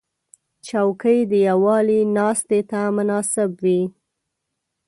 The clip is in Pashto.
چوکۍ د یووالي ناستې ته مناسب وي.